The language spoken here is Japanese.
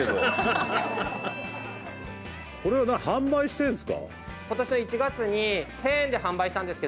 これは販売してるんですか？